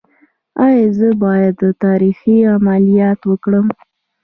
ایا زه باید د تریخي عملیات وکړم؟